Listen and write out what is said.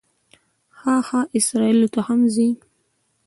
ښه ښه، اسرائیلو ته هم ځې.